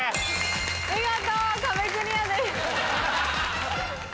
見事壁クリアです。